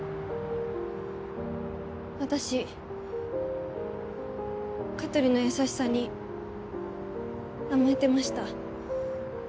私香取の優しさに甘えてました。